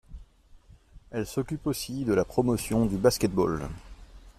Elle s'occupe aussi de la promotion du basket-ball.